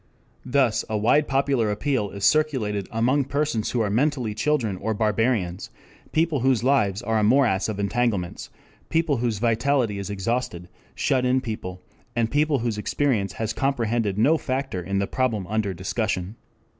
Thus a wide popular appeal is circulated among persons who are mentally children or barbarians, people whose lives are a morass of entanglements, people whose vitality is exhausted, shut in people, and people whose experience has comprehended no factor in the problem under discussion.